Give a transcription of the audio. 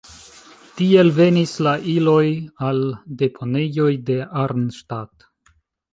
Tiel venis la iloj al deponejoj de Arnstadt.